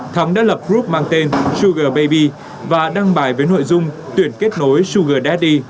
thắng đã lập group mang tên sugar baby và đăng bài với nội dung tuyển kết nối sugar daddy